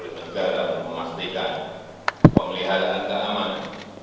negara memastikan pemeliharaan keamanan